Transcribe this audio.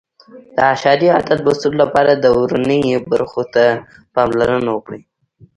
د اعشاري عدد لوستلو لپاره د ورنیې برخو ته پاملرنه وکړئ.